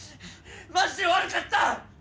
マジで悪かった！